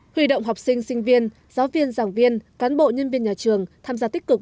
huy động học sinh sinh viên giáo viên giảng viên cán bộ nhân viên nhà trường tham gia tích cực